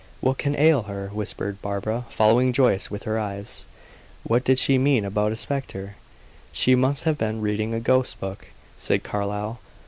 "What can ail her?" whispered Barbara, following Joyce with her eyes. "What did she mean about a spectre?" "She must have been reading a ghost book," said Carlyle.